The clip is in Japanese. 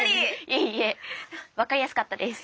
いえいえ分かりやすかったです。